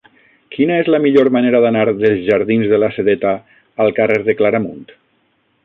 Quina és la millor manera d'anar dels jardins de la Sedeta al carrer de Claramunt?